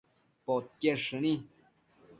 podquied shëni